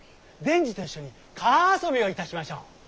善児と一緒に川遊びをいたしましょう。